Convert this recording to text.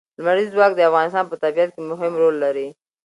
لمریز ځواک د افغانستان په طبیعت کې مهم رول لري.